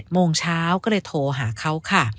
โมงเช้าก็เลยโทรหาเขาค่ะ